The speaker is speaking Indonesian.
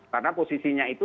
karena posisinya itu